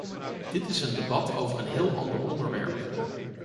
Dit is een debat over een heel ander onderwerp.